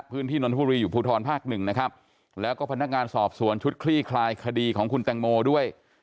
นนทบุรีอยู่ภูทรภาคหนึ่งนะครับแล้วก็พนักงานสอบสวนชุดคลี่คลายคดีของคุณแตงโมด้วย